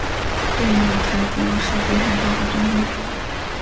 电影的舞台主要是北海道和东京都。